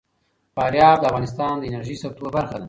فاریاب د افغانستان د انرژۍ سکتور برخه ده.